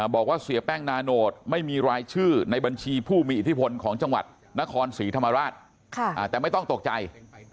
บอกว่าเสียแป้งนาโนตไม่มีรายชื่อในบัญชีผู้มีอิทธิพลของจังหวัดนครศรีธรรมราชแต่ไม่ต้องตกใจ